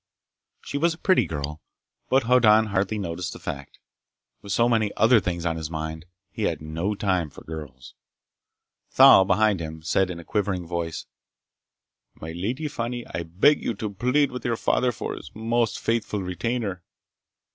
She was a pretty girl, but Hoddan hardly noticed the fact. With so many other things on his mind, he had no time for girls. Thal, behind him, said in a quivering voice: "My Lady Fani, I beg you to plead with your father for his most faithful retainer!"